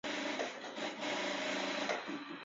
思考一个粒子从静止状态自由地下落。